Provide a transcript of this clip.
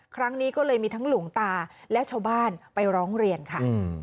ครั้งนี้ก็เลยมีทั้งหลวงตาและชาวบ้านไปร้องเรียนค่ะ